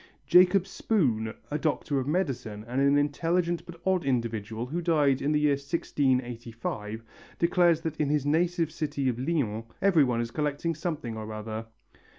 Jacob Spoon, a doctor of medicine and an intelligent but odd individual who died in the year 1685, declares that in his native city of Lyons every one is collecting something or other.